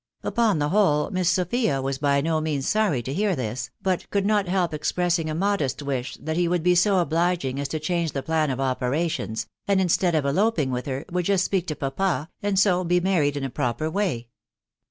Upon the. whole, Miss Sophia was, \rj uo tosoa wrr* v o 4 , r $4 * THE WIDOW BARNABY. a hear this, but could not help expressing a modest wish that he would be so obliging as to change the plan of operations, and instead of eloping with her, would just speak to papa, and so be married in a proper way.